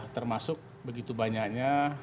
termasuk begitu banyaknya